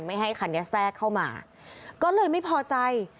ไม่ให้คันนี้แทรกเข้ามาก็เลยไม่พอใจ